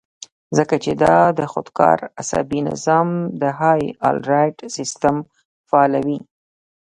ځکه چې دا د خودکار اعصابي نظام د هائي الرټ سسټم فعالوي